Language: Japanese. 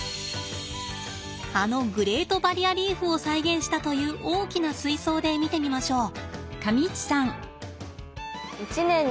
あのグレートバリアリーフを再現したという大きな水槽で見てみましょう。